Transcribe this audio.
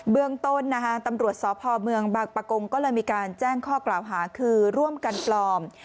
เมืองต้นตำรวจสพเมืองบางประกงก็เลยมีการแจ้งข้อกล่าวหาคือร่วมกันปลอม